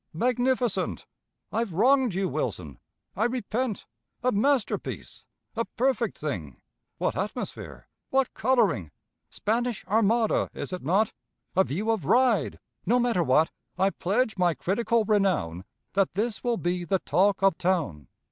Magnificent! I've wronged you, Wilson! I repent! A masterpiece! A perfect thing! What atmosphere! What colouring! Spanish Armada, is it not? A view of Ryde, no matter what, I pledge my critical renown That this will be the talk of Town.